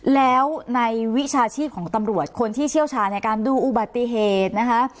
แล้วในวิชาชีพของตำรวจคนที่เชี่ยวชาญในการดูอุบัติเหตุนะคะ